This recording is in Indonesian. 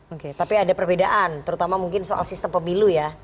oke tapi ada perbedaan terutama mungkin soal sistem pemilu ya